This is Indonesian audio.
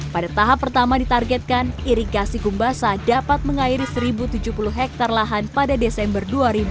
pada tahap pertama ditargetkan irigasi gumbasa dapat mengairi satu tujuh puluh hektare lahan pada desember dua ribu dua puluh